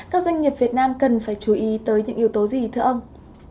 các doanh nghiệp việt nam cần phải chú ý tới những yếu tố gì thưa ông